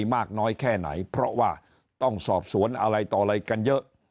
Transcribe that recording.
ไม่ต้องสอบสวนอะไรต่ออะไรกันเยอะ